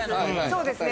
そうですね。